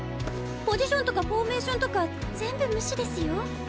ポジションとかフォーメーションとか全部無視ですよ？